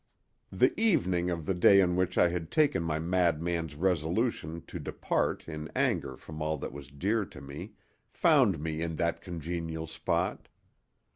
The evening of the day on which I had taken my madman's resolution to depart in anger from all that was dear to me found me in that congenial spot.